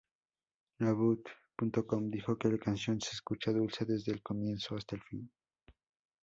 About.com dijo que la canción "se escucha dulce desde el comienzo hasta el fin".